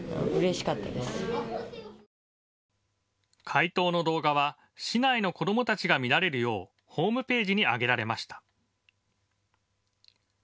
回答の動画は市内の子どもたちが見られるようホームページに上げられました。